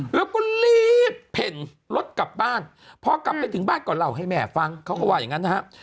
แล้วก็รีบเพ่นรถกลับบ้านพอกลับไปถึงบ้านก็เล่าให้แม่ฟังเขาก็ว่าอย่างนั้นนะครับ